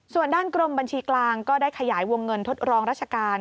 ส่วนด้านกรมบัญชีกลางก็ได้ขยายวงเงินทดลองราชการ